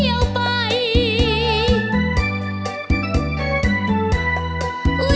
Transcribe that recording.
หรือมีงานหนักเสียจนเป็นใคร